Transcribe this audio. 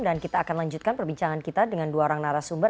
dan kita akan lanjutkan perbincangan kita dengan dua orang narasumber